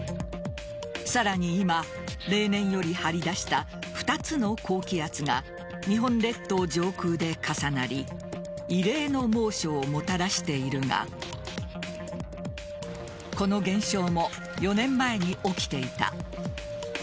さらに今例年より張り出した２つの高気圧が日本列島上空で重なり異例の猛暑をもたらしているがこの現象も４年前に起きていた。